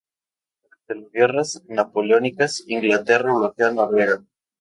Durante las Guerras Napoleónicas, Inglaterra bloqueó a Noruega.